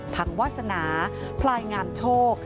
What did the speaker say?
พังวาสนาพลายงามโชค